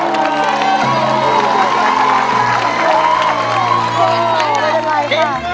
หัวเอ้ย